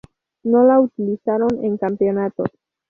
No la utilizaron en campeonatos.